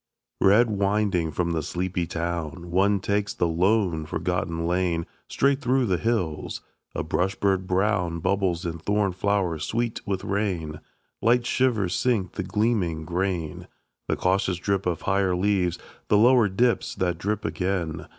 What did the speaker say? Red winding from the sleepy town, One takes the lone, forgotten lane Straight through the hills. A brush bird brown Bubbles in thorn flowers sweet with rain; Light shivers sink the gleaming grain; The cautious drip of higher leaves The lower dips that drip again.